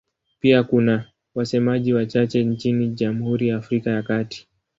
Pia kuna wasemaji wachache nchini Jamhuri ya Afrika ya Kati.